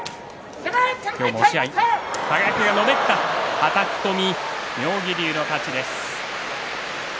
はたき込み、妙義龍の勝ちです。